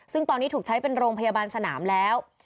ซึ่งตอนนี้ถูกใช้เป็นโรงพยาบาลสนามแล้ว